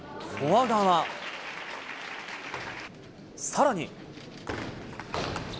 さらに。